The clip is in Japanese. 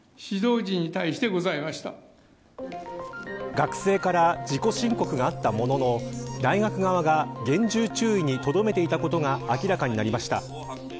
学生から自己申告があったものの大学側が厳重注意にとどめていたことが明らかになりました。